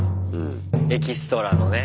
エキストラのね。